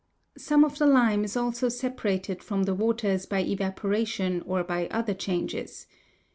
Some of the lime is also separated from the waters by evaporation or by other changes.